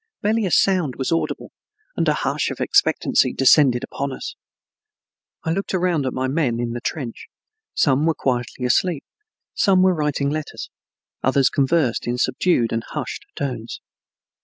Barely a sound was audible, and a hush of expectancy descended upon us. I looked around at my men in the trench; some were quietly asleep, some writing letters, others conversed in subdued and hushed tones.